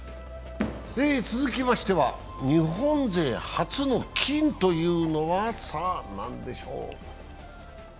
続きましては日本勢初の金というのは何でしょう。